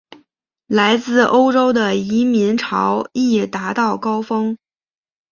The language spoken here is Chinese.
来自欧洲的移民潮亦达到高峰。